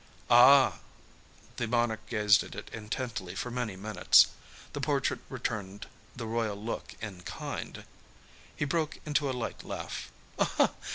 "Ah!" The monarch gazed at it intently for many minutes. The portrait returned the royal look in kind. He broke into a light laugh.